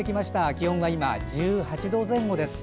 気温は今１８度前後です。